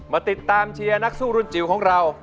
มาติดตามเชียร์นักสู้รุ่นจิ๋วของเรา